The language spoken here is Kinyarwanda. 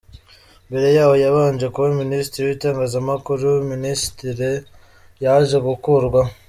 Mbere yaho yabanje kuba minisitiri w'itangazamakuru - minisiteri yaje gukurwaho.